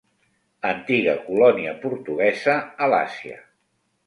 Antiga colònia portuguesa a l'Àsia.